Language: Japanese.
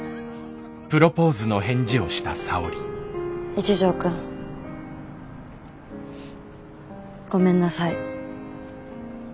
一条くんごめんなさい。